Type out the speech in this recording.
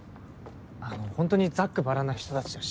あのうホントにざっくばらんな人たちだし。